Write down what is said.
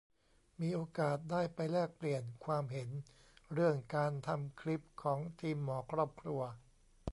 มีโอกาสได้ไปแลกเปลี่ยนความเห็นเรื่องการทำคลิปของทีมหมอครอบครัว